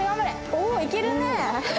おお！いけるね。